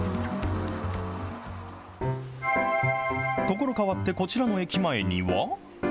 所変わってこちらの駅前には。